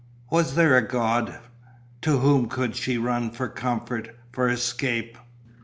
Was there a God? To whom could she run for comfort, for escape